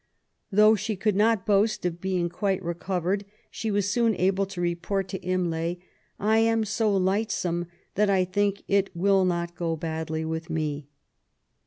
Though she <coiild not boast of being quite recovered, she was soon tible to report to Imlay, " I am so lightsome, that I think it will not go badly with me."